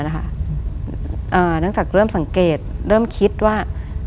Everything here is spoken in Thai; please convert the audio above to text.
เนื่องจากเริ่มสังเกตเริ่มคิดว่า